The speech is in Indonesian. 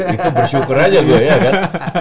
itu bersyukur aja gue ya kan